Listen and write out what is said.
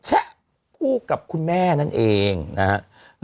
แชะคู่กับคุณแม่นั่นเองนะฮะ